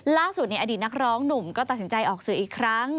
ล่าสุดในอดีตนักร้องหนุ่มก็ตัดสินใจออกสื่ออีกครั้ง